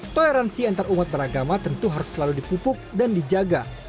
toleransi antarumat beragama tentu harus selalu dipupuk dan dijaga